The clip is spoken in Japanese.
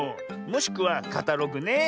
もしくは「カタログ」ね。